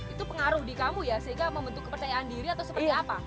itu pengaruh di kamu ya sehingga membentuk kepercayaan diri atau seperti apa